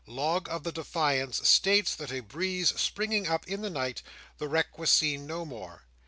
Log of the Defiance states, that a breeze springing up in the night, the wreck was seen no more.